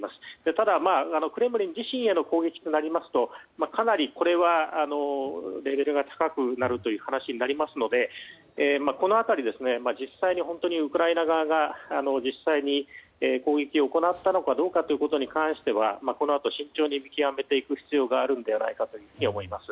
ただ、クレムリン自身への攻撃となりますとかなり、これはレベルが高くなるという話になりますのでこの辺り、本当にウクライナ側が実際に攻撃を行ったのかどうかに関してはこのあと慎重に見極めていく必要があると思います。